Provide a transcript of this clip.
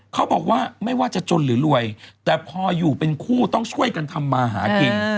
เขาบอกว่าไม่ว่าจะจนหรือรวยแต่พออยู่เป็นคู่ต้องช่วยกันทำมาหากิน